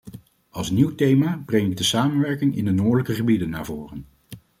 Als nieuw thema breng ik de samenwerking in de noordelijke gebieden naar voren.